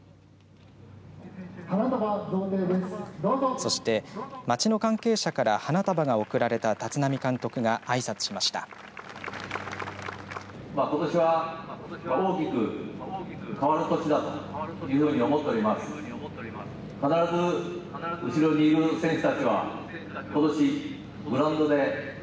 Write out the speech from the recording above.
そして町の関係者から花束が贈られた立浪監督があいさつしました。